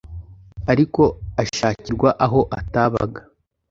ariko ashakirwa aho atabaga.